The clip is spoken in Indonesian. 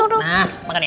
nah makan ya